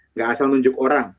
nggak asal nunjuk orang